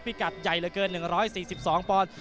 มุมยักษ์นะครับพี่กัดใหญ่เหลือเกิน๑๔๒ปอนด์